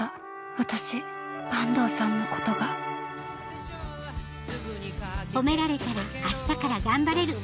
私坂東さんのことがほめられたら明日から頑張れる。